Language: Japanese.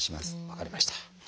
分かりました。